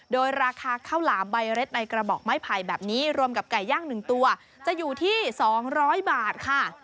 โดยราคาข้าวหลามใบเร็ดในกระบอกไม้ไผ่แบบนี้รวมกับไก่ย่าง๑ตัวจะอยู่ที่๒๐๐บาทค่ะ